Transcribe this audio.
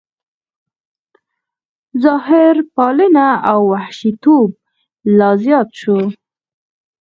ظاهرپالنه او حشویتوب لا زیات شو.